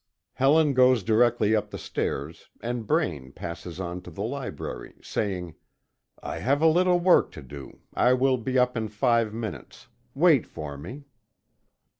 Helen goes directly up the stairs, and Braine passes on to the library, saying: "I have a little work to do I will be up in five minutes wait for me."